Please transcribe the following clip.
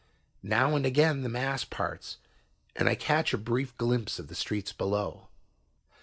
Now and again the mass parts and I catch a brief glimpse of the streets below.